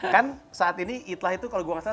kan saat ini itlah itu kalau gue gak salah